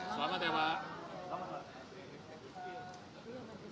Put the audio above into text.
selamat ya pak